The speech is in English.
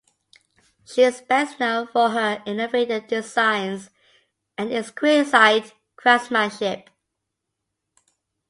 She is best known for her innovative designs and exquisite craftsmanship.